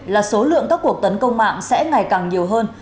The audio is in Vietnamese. là số lượng các cuộc tấn công mạng sẽ ngày càng nhiều hơn